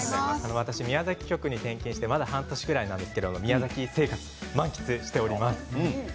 宮崎局に転勤して２年半ぐらいなんですが宮崎生活を満喫しています。